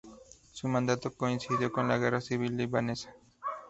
Su mandato coincidió con la guerra civil libanesa.